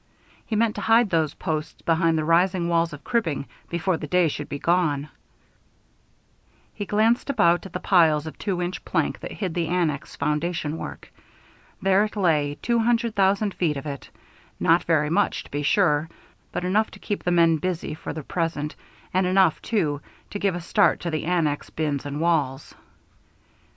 He meant to hide those posts behind the rising walls of cribbing before the day should be gone. He glanced about at the piles of two inch plank that hid the annex foundation work. There it lay, two hundred thousand feet of it not very much, to be sure, but enough to keep the men busy for the present, and enough, too, to give a start to the annex bins and walls.